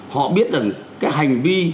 họ biết là cái hành vi